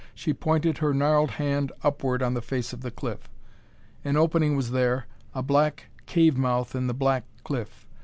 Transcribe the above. She pointed her gnarled hand upward on the face of the cliff. An opening was there, a black cave mouth in the black cliff.